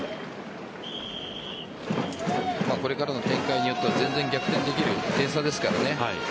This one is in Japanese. これからの展開によっては全然逆転できる点差ですからね。